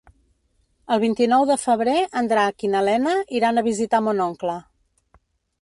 El vint-i-nou de febrer en Drac i na Lena iran a visitar mon oncle.